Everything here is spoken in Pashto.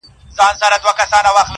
څو مېږیانو پکښي وکړل تقریرونه؛